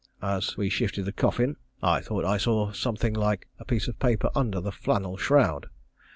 As we shifted the coffin I thought I saw some thing like a piece of paper under the flannel shroud.